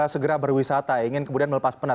segera berwisata ingin kemudian melepas penat